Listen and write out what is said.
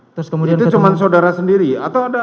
itu cuma saudara sendiri atau ada